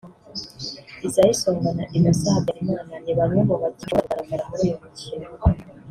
Isaie Songa na Innocent Habyarimana ni bamwe mu bakinnyi bashobora kugaragara muri uyu mukino